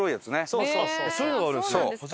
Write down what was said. そうそうそうそう！